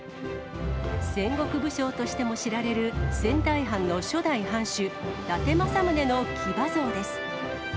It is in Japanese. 戦国武将としても知られる、仙台藩の初代藩主、伊達政宗の騎馬像です。